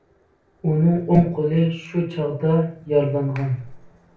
ئۇنىڭ ئوڭ قولى شۇ چاغدا يارىلانغان.